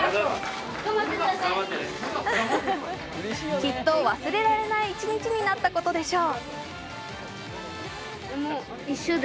きっと忘れられない一日になったことでしょう。